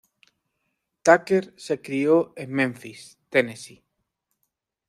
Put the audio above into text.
Tucker se crio en Memphis, Tennessee.